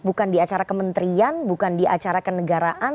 bukan di acara kementerian bukan di acara kenegaraan